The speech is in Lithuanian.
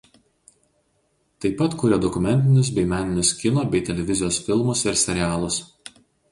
Taip pat kuria dokumentinius bei meninius kino bei televizijos filmus ir serialus.